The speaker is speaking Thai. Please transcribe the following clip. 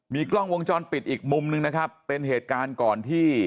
กล้องวงจรปิดอีกมุมนึงนะครับเป็นเหตุการณ์ก่อนที่